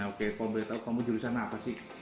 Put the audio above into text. oke paul boleh tau kamu jurusan apa sih